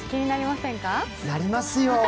なりますよ。